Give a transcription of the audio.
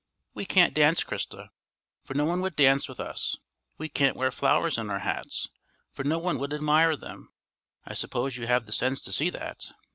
"We can't dance, Christa, for no one would dance with us; we can't wear flowers in our hats, for no one would admire them. I suppose you have the sense to see that?